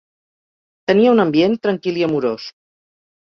Tenia un ambient tranquil i amorós.